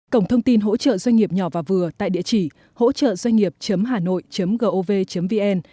cổng thông tin hỗ trợ doanh nghiệp nhỏ và vừa tại địa chỉ hỗtradoanh nghiệp hanoi gov vn